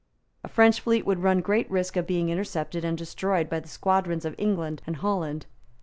A French fleet would run great risk of being intercepted and destroyed by the squadrons of England and Holland.